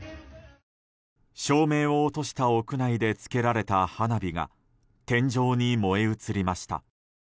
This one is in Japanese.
照明を落とした屋内でつけられた花火が天井に燃え移りました。